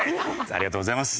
ありがとうございます。